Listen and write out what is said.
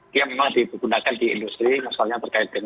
dia memang digunakan di industri misalnya terkait cekul ini